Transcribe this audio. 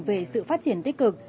về sự phát triển tích cực